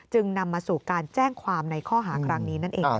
นำมาสู่การแจ้งความในข้อหาครั้งนี้นั่นเอง